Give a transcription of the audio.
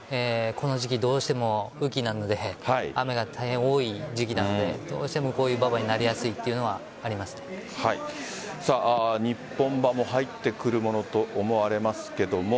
この時期、どうしても雨季なので雨が大変多い時期なのでどうしてもこういう馬場になりやすい日本馬も入ってくるものと思われますけども。